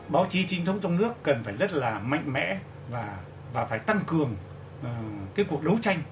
báo chí chính thống trong nước cần phải rất là mạnh mẽ và phải tăng cường cuộc đấu tranh